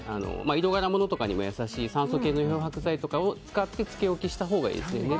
色柄物とかにも優しい酸素系の漂白剤を使ってつけ置きしたほうがいいですね。